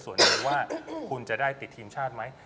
ส่วนหนึ่งว่าคุณจะได้ติดทีมชาติไหม